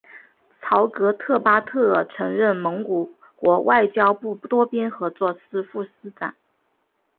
朝格特巴特尔曾任蒙古国外交部多边合作司副司长。